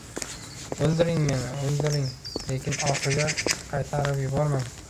O`ldiring meni, o`ldiring, lekin orqaga qaytarib yubormang